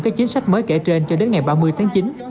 các chính sách mới kể trên cho đến ngày ba mươi tháng chín